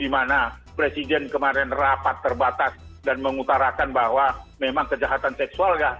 dimana presiden kemarin rapat terbatas dan mengutarakan bahwa memang kejahatan seksual